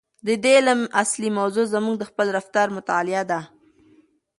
د دې علم اصلي موضوع زموږ د خپل رفتار مطالعه ده.